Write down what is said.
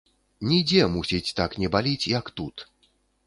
Нідзе, мусіць, так не баліць, як тут.